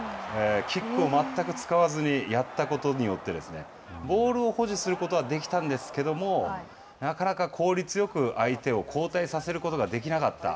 キックを全く使わずにやったことによって、ボールを保持することはできたんですけども、なかなか効率よく相手を後退させることができなかった。